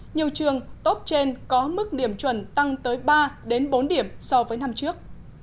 nhiều trường top trên có mức điểm chuẩn tăng tới ba bốn điểm so với năm trước